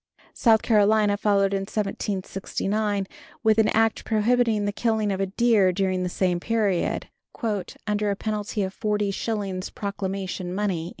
South Carolina followed in 1769 with an act prohibiting the killing of deer during the same period, "under a penalty of forty shillings proclamation money."